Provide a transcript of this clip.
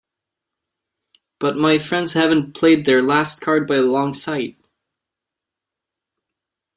But my friends haven’t played their last card by a long sight.